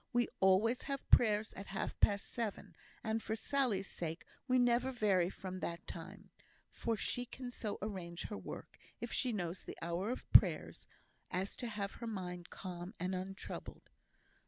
We always have prayers at half past seven; and, for Sally's sake, we never vary from that time; for she can so arrange her work, if she knows the hour of prayers, as to have her mind calm and untroubled."